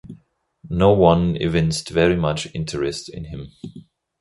No one evinced very much interest in him.